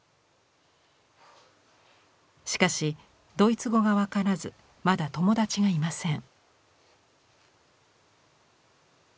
しかしドイツ語が分からずまだ友達がいません。